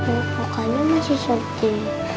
oh opanya masih surdi